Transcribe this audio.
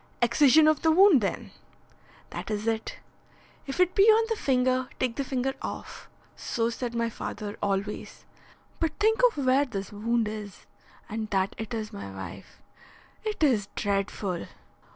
"Excision of the wound, then?" "That is it. If it be on the finger, take the finger off. So said my father always. But think of where this wound is, and that it is my wife. It is dreadful!"